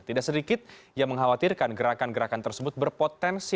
tidak sedikit yang mengkhawatirkan gerakan gerakan tersebut berpotensi